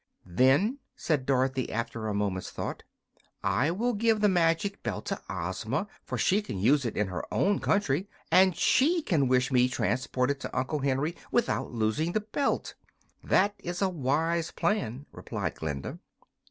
"Then," said Dorothy, after a moment's thought, "I will give the magic belt to Ozma, for she can use it in her own country. And she can wish me transported to Uncle Henry without losing the belt." "That is a wise plan," replied Glinda.